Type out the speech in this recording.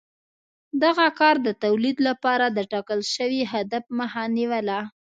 دغه کار د تولید لپاره د ټاکل شوي هدف مخه نیوله